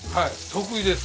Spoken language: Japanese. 得意です。